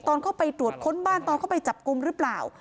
ตอนเข้าไปตรวจค้นบ้านตอนเข้าไปจับกลุ่มหรือเปล่า